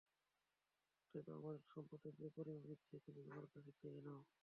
অতএব, আমার সম্পদের যে পরিমাণ ইচ্ছে, তুমি আমার কাছে চেয়ে নাও।